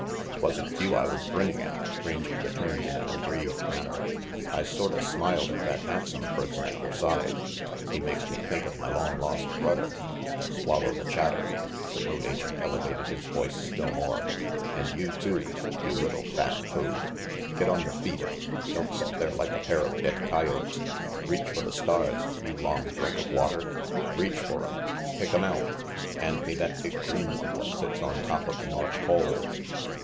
'Twan't you I was grinnin' at," Rangy returned in an aggrieved manner. "I sorta smiled at that handsome person at your side. He makes me think of my long lost brother." "Swallow the chatter," the road agent elevated his voice still more, "And you too, you little fat toad. Get on your feet. Don't set there like a pair of dead coyotes. Reach for the stars, you long drink of water. Reach for 'em. Pick 'em out. Hand me that big green one what sits on top of the North Pole."